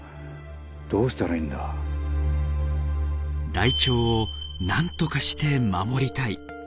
ライチョウをなんとかして守りたい。